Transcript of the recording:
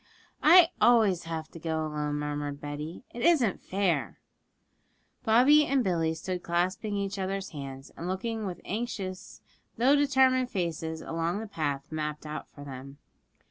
'I always have to go alone,' murmured Betty; 'it isn't fair.' Bobby and Billy stood clasping each other's hands, and looking with anxious though determined faces along the path mapped out for them.